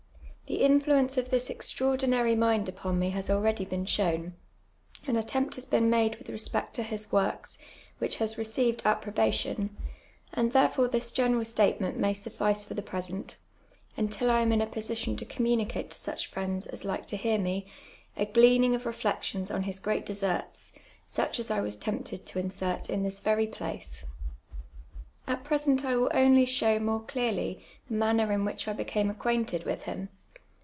The influence of this extraordinary mind upon me has been already shown ; an attempt has been made with respect to his works, wliich has received approbation ; and therefore this general statement may sufiice for the present, until I am in a position to communicate to such friends as like to hear me, a gleaning of reflections on his great deserts, such as I was tempted to insert in this very place. At present I ^vill only show more clearly the manner in which I became acquainted with him.